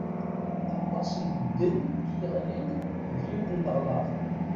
Aṭas n medden i yeɣlin deg yiwen n leɣlaḍ.